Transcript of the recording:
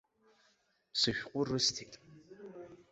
Сышәҟәы рысҭеит.